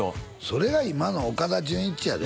それが今の岡田准一やで？